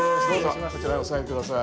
そちらへお座り下さい。